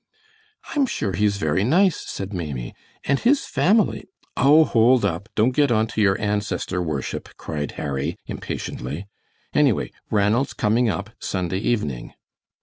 "I'm sure he's very nice," said Maimie, "and his family " "Oh, hold up; don't get on to your ancestor worship," cried Harry, impatiently. "Anyway, Ranald's coming up Sunday evening."